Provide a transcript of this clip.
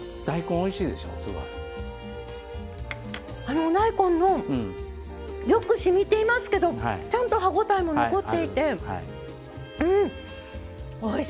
お大根のよくしみていますけどちゃんと歯応えも残っていてうんおいしい！